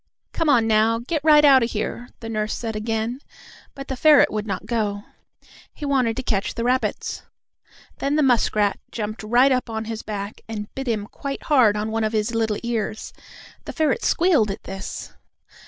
"Come on, now; get right out of here!" the nurse said again, but the ferret would not go. He wanted to catch the rabbits. Then the muskrat jumped right up on his back and bit him quite hard on one of his little ears. The ferret squealed at this.